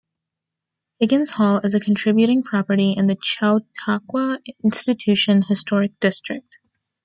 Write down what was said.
Higgins Hall is a contributing property in the Chautauqua Institution Historic District.